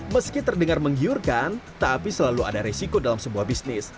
meski terdengar menggiurkan tapi selalu ada resiko dalam sebuah bisnis